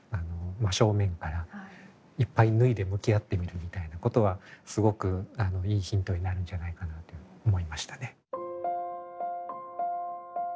正面からいっぱい脱いで向き合ってみるみたいなことはすごくいいヒントになるんじゃないかなと思いましたね。